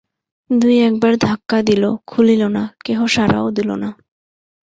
দুই-এক বার ধাক্কা দিল, খুলিল না–কেহ সাড়াও দিল না।